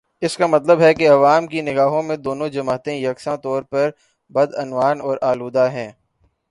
اس کا مطلب ہے کہ عوام کی نگاہوں میں دونوں جماعتیں یکساں طور پر بدعنوان اور آلودہ ہیں۔